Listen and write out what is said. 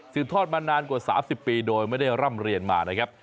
ทอดมานานกว่า๓๐ปีโดยไม่ได้ร่ำเรียนมานะครับ